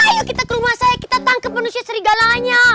ayo kita ke rumah saya kita tangkap manusia serigalanya